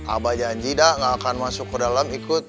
abah janji dah nggak akan masuk ke dalam ikut